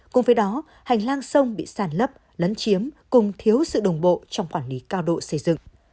cùng với đó hành lang sông bị sàn lấp lấn chiếm cùng thiếu sự đồng bộ trong quản lý cao độ xây dựng